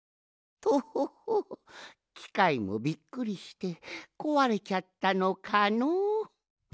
とほほきかいもびっくりしてこわれちゃったのかのう。